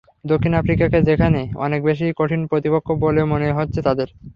দক্ষিণ আফ্রিকাকে যেখানে অনেক বেশি কঠিন প্রতিপক্ষ বলে মনে হচ্ছে তাদের।